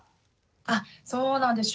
あそうなんです。